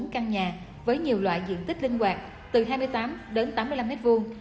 bốn căn nhà với nhiều loại diện tích linh hoạt từ hai mươi tám đến tám mươi năm mét vuông